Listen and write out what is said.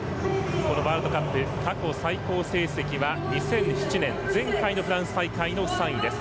ワールドカップ過去最高成績は、２００７年前回のフランス大会の３位です。